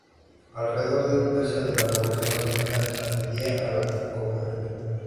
Alrededor de un tercio de la población masculina atendía a la comuna.